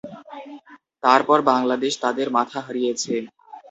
তারপর বাংলাদেশ তাদের মাথা হারিয়েছে।